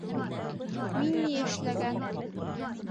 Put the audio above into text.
Мин ни эшләгән?